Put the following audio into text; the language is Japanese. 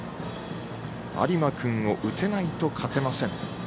有馬君を打てないと勝てません。